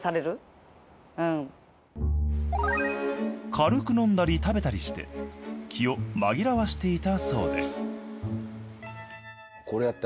軽く飲んだり食べたりして気を紛らわしていたそうです